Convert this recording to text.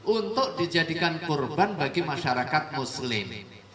untuk dijadikan kurban bagi masyarakat muslim